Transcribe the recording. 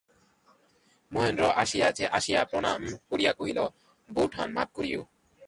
মহেন্দ্র আসিয়া প্রণাম করিয়া কহিল, বৌঠান, মাপ করিয়ো।